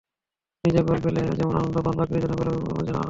নিজে গোল পেলে যেমন আনন্দ পান, বাকি দুজনের গোলেও যেন সমান আনন্দ।